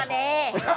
ハハハハ！